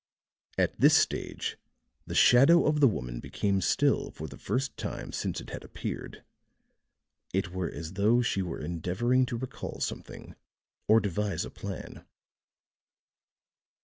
At this stage the shadow of the woman became still for the first time since it had appeared. It were as though she were endeavoring to recall something, or devise a plan.